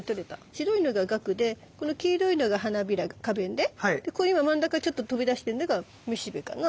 白いのががくでこの黄色いのが花びら花弁で今真ん中ちょっと飛び出してんのが雌しべかな。